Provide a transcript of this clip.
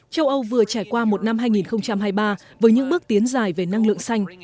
châu âu vừa trải qua một năm hai nghìn hai mươi ba với những bước tiến dài về năng lượng xanh